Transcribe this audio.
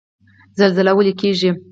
زلزله ولې کیږي؟